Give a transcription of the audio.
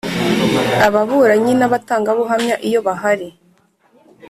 Ababuranyi n abatangabuhamya iyo bahari